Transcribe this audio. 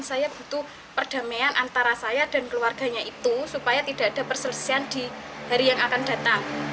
saya butuh perdamaian antara saya dan keluarganya itu supaya tidak ada perselisihan di hari yang akan datang